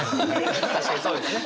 確かにそうですね。